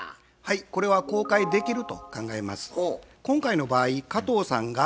これは公開できると考えます。